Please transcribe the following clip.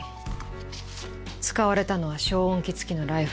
使われたのは消音器付きのライフル。